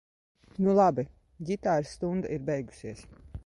Nu labi. Ģitāras stunda ir beigusies.